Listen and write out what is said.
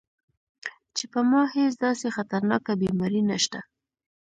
چې پۀ ما هېڅ داسې خطرناکه بيماري نشته -